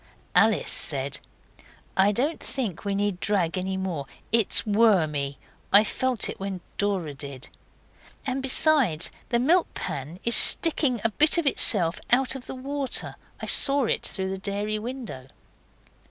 Alice said, 'I don't think we need drag any more. It is wormy. I felt it when Dora did. And besides, the milk pan is sticking a bit of itself out of the water. I saw it through the dairy window.